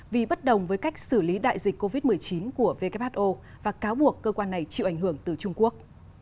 vì bất đồng với cách xử lý đại dịch covid một mươi chín của who và cáo buộc cơ quan này chịu ảnh hưởng từ trung quốc